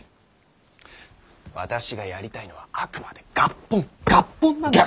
私がやりたいのはあくまで合本合本なんです。